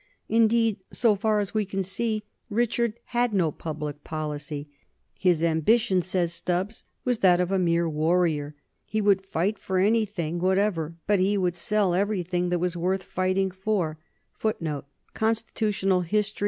Indeed, so far as we can see, Richard had no public policy. "His ambition," says Stubbs, "was that of a mere warrior: he would fight for anything whatever, but he would sell everything that was worth fighting for."